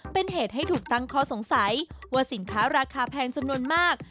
เป็นเหตุให้ถูกตั้งข้อสงสัยว่าสินค้าราคาแพงจำนวนมาก